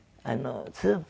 スープ。